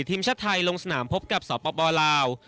ทีมชาติไทยลงสนามพบกับสปลาว